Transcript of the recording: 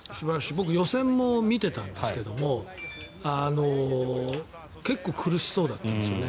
僕、予選も見てたんですけども結構苦しそうだったんですよね。